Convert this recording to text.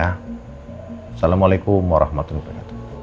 assalamualaikum warahmatullahi wabarakatuh